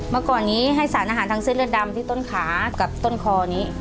เมื่อก่อนนี้ให้สารอาหารทางเส้นเลือดดำที่ต้นขากับต้นคอนี้